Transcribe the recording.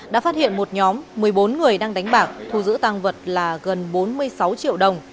đã phát hiện một nhóm một mươi bốn người đang đánh bạc thu giữ tăng vật là gần bốn mươi sáu triệu đồng